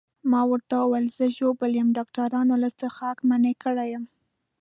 ما ورته وویل زه ژوبل یم، ډاکټرانو له څښاکه منع کړی یم.